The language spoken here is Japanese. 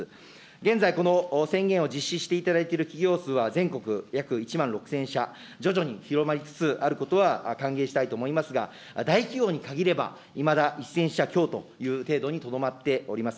現在、この宣言を実施していただいている企業数は全国約１万６０００社、徐々に広まりつつあることは歓迎したいと思いますが、大企業に限れば、いまだ１０００社強という程度にとどまっております。